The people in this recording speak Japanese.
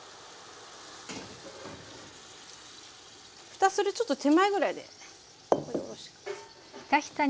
ふたするちょっと手前ぐらいで。